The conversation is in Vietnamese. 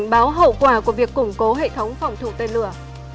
hội nghị sco cảnh báo hậu quả của việc củng cố hệ thống phòng thủ tên lửa